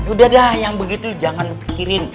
udah dah yang begitu jangan pikirin